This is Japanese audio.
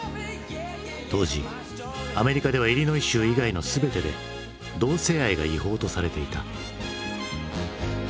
当時アメリカではイリノイ州以外の全てで同性愛が違法とされていた。